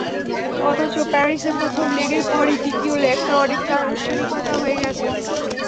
অথচ প্যারিসে প্রথম লেগের পরই দ্বিতীয় লেগটা অনেকটা আনুষ্ঠানিকতা হয়ে গেছে।